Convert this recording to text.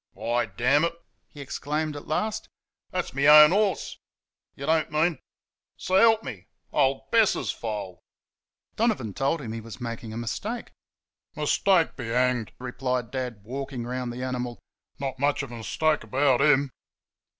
"Why, damn it!" he exclaimed, at last, "that's MY OWN horse...You don't mean...S'help me! Old Bess's foal!" Donovan told him he was making a mistake. "Mistake be hanged!" replied Dad, walking round the animal. "Not much of a mistake about HIM!"